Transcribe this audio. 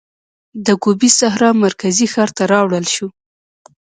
د ګوبي سحرا مرکزي ښار ته راوړل شو.